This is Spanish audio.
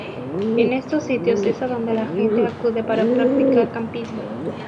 En estos sitios es a donde la gente acude para practicar campismo.